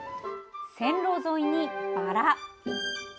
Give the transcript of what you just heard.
線路沿いに、バラ。